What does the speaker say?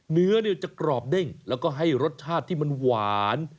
เนื้อจะกรอบเด้งแล้วก็ให้รสชาติที่มันหวาน